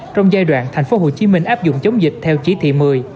trong giai đoạn tp hcm áp dụng chống dịch theo chỉ thị một mươi